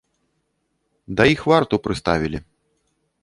Да іх варту прыставілі.